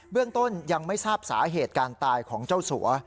เรื่องต้นยังไม่ทราบสาเหตุการตายของเจ้าสัว